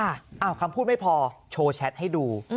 อ้าวคำพูดไม่พอโชว์แชทให้ดู